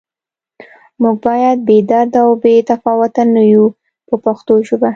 موږ باید بې درده او بې تفاوته نه یو په پښتو ژبه.